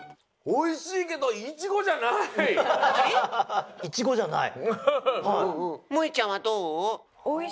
おいしいけどイチゴじゃない。